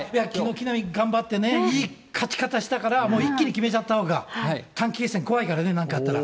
きのう頑張って、いい勝ち方したから、もう一気に決めちゃったほうが、短期決戦怖いからね、なんかあったら。